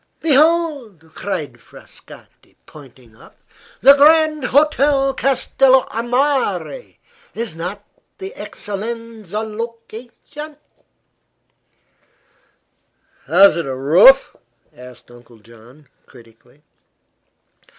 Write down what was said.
"Behold!" cried Frascatti, pointing up, "the Grand Hotel Castello a Mare; is it not the excellenza location?" "Has it a roof?" asked Uncle John, critically.